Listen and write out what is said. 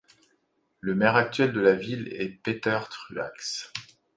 Le maire actuel de la ville est Peter Truax.